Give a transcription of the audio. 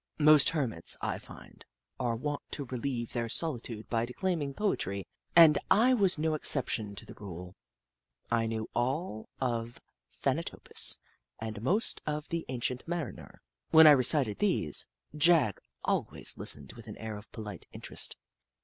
Most hermits, I find, are wont to relieve their solitude by declaiming poetry, and I was no exception to the rule. I knew all of Thanatopsis and most of The Ancient Mariner. When I recited these. Jagg al ways listened with an air of polite interest.